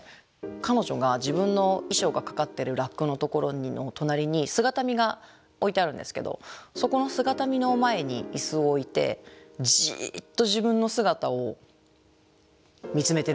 彼女が自分の衣装がかかってるラックのところの隣に姿見が置いてあるんですけどそこの姿見の前に椅子を置いてじっと自分の姿を見つめてるんですよね。